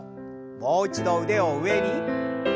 もう一度腕を上に。